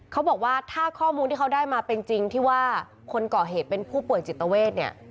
เขาบอกว่าถ้าข้อมูลที่เขาได้มาเป็นจริงที่ว่าคนก่อเหตุเป็นผู้ป่วยจิตเวทเนี่ย